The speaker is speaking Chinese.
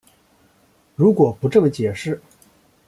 如果不这么解释